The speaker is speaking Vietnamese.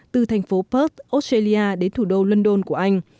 từ thành phố perth australia đến thủ đô london của anh